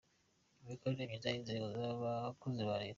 Imikorere myiza y’inzego n’abakozi ba Leta.